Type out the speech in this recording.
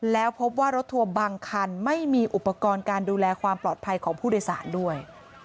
แล้วพบว่ารถทัวร์บางคันไม่มีอุปกรณ์การดูแลความปลอดภัยของผู้โดยสารด้วย